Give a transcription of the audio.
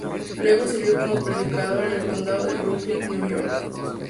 Luego sirvió como predicador en el condado de Brooklyn, New York.